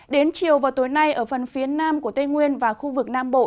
đến chiều vào tối nay ở phần phía nam của tây nguyên và khu vực nam bộ